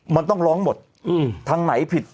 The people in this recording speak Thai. มันต้องร้องหมด